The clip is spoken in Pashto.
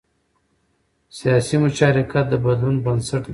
سیاسي مشارکت د بدلون بنسټ دی